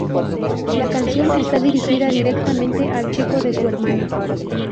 La canción está dirigida directamente al chico de su hermana.